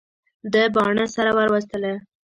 ده باڼه سره ور وستله.